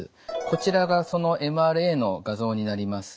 こちらがそのＭＲＡの画像になります。